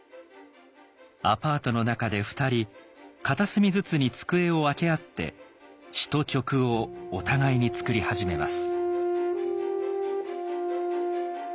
アパートの中で２人片隅ずつに机を分け合って詞と曲をお互いに作り始めます。